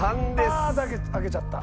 あー開けちゃった。